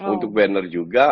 untuk werner juga